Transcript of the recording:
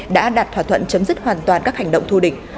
đã đặt thỏa thuận chấm dứt hoàn toàn các hành động thù địch